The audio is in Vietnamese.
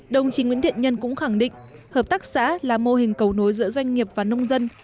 đồng chí nguyễn thiện nhân cũng khẳng định hợp tác xã là mô hình cầu nối giữa doanh nghiệp và nông dân